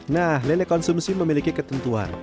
nah lele konsumsi memiliki ketentuan